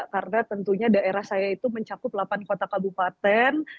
karena tentunya daerah saya itu mencakup delapan kota kabupaten